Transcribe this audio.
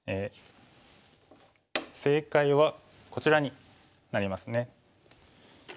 正解はこちらになりますね。